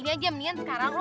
buat saya bahannya